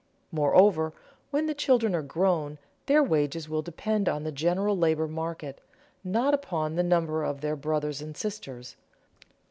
Moreover, when the children are grown, their wages will depend on the general labor market, not upon the number of their brothers and sisters.